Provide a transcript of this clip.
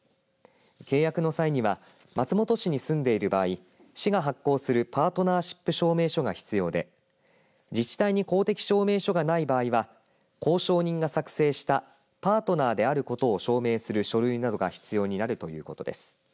契約の際には松本市に住んでいる場合市が発行するパートナーシップ証明書が必要で自治体に公的証明書がない場合は公証人が作成したパートナーであることを証明する書類などが必要になるということです。